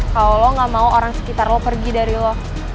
kalau lo gak mau orang sekitar lo pergi dari lo